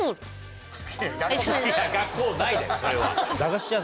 いや学校内だよそれは。